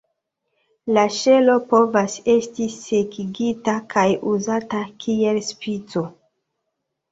La ŝelo povas esti sekigita kaj uzata kiel spico.